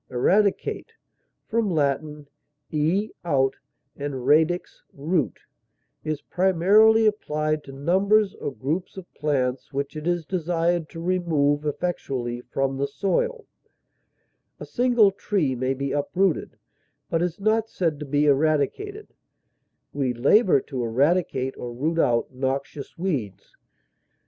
Eradicate (L. e, out, and radix, root) is primarily applied to numbers or groups of plants which it is desired to remove effectually from the soil; a single tree may be uprooted, but is not said to be eradicated; we labor to eradicate or root out noxious weeds.